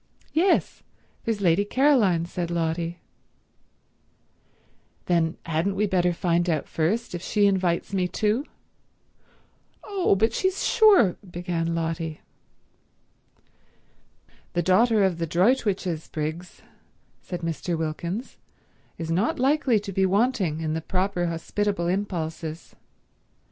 "Yes. There's Lady Caroline," said Lotty. "Then hadn't we better find out first if she invites me too?" "Oh, but she's sure—" began Lotty. "The daughter of the Droitwiches, Briggs," said Mr. Wilkins, "is not likely to be wanting in the proper hospitable impulses."